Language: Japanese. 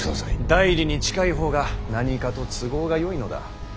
内裏に近い方が何かと都合がよいのだ。